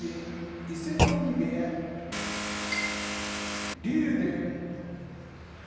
伊勢ノ海部屋竜電